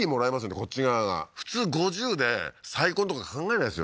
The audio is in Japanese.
こっち側が普通５０で再婚とか考えないですよ